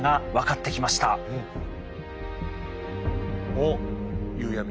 おっ夕闇。